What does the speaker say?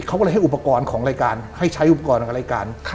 เขาก็เลยให้อุปกรณ์ของรายการให้ใช้อุปกรณ์ของรายการ